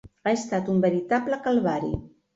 Ha estat un veritable calvari.